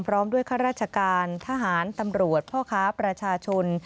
พร้อมด้วยข้าราชการทหารตำรวจพ่อค้าประชาชน